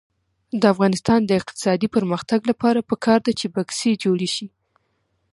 د افغانستان د اقتصادي پرمختګ لپاره پکار ده چې بکسې جوړې شي.